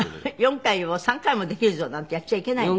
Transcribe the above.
４回を３回もできるぞなんてやっちゃいけないの？